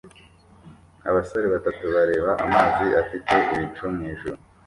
Abasore batatu bareba amazi afite ibicu mwijuru